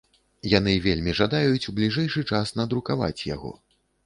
Яны вельмі жадаюць у бліжэйшы час надрукаваць яго.